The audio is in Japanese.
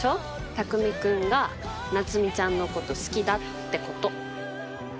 匠君が夏海ちゃんのこと好きだってこと。